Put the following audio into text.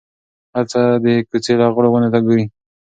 هغه د کوڅې لغړو ونو ته ګوري.